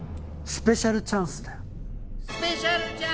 スペシャルチャンス！